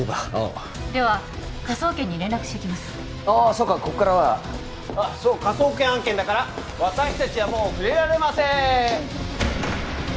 そうかこっからはそう科捜研案件だから私達はもう触れられません